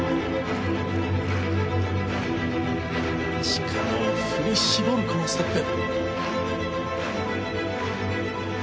力を振り絞るこのステップ。